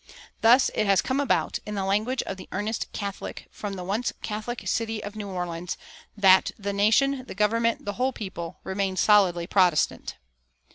Thus it has come about, in the language of the earnest Catholic from the once Catholic city of New Orleans, that "the nation, the government, the whole people, remain solidly Protestant."